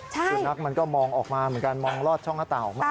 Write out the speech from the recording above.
สุนัขมันก็มองออกมาเหมือนกันมองลอดช่องหน้าต่างออกมา